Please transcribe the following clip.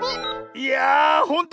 いやあほんと